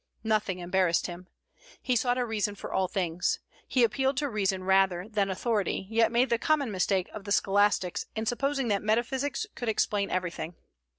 Nothing embarrassed him. He sought a reason for all things. He appealed to reason rather than authority, yet made the common mistake of the scholastics in supposing that metaphysics could explain everything.